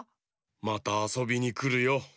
またあそびにくるよ。